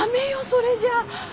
それじゃあ。